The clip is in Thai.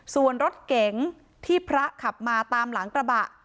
ส่วนรถเก๋งที่พระขับมาตามหลังกระบะ